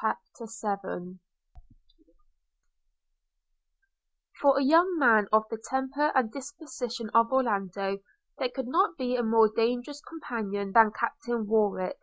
CHAPTER VII FOR a young man of the temper and disposition of Orlando, there could not be a more dangerous companion than Captain Warwick.